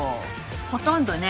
ほとんどね